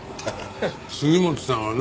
杉本さんはな